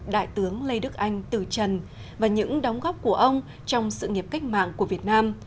đại tướng lê đức anh từ trần và những đóng góp của ông trong sự nghiệp cách mạng của việt nam